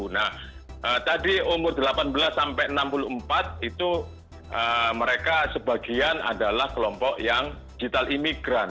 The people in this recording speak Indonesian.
nah tadi umur delapan belas sampai enam puluh empat itu mereka sebagian adalah kelompok yang digital imigran